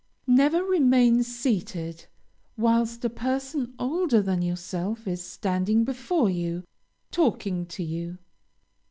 Never remain seated, whilst a person older than yourself is standing before you, talking to you.